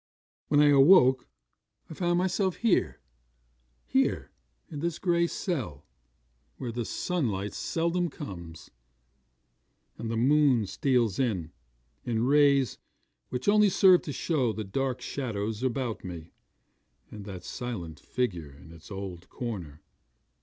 When I woke I found myself here here in this gray cell, where the sunlight seldom comes, and the moon steals in, in rays which only serve to show the dark shadows about me, and that silent figure in its old corner.